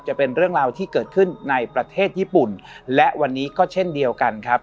จะเป็นเรื่องราวที่เกิดขึ้นในประเทศญี่ปุ่นและวันนี้ก็เช่นเดียวกันครับ